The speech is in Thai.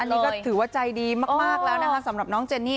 นี่ก็ถือว่าใจดีมากแล้วนะคะสำหรับน้องเจนี่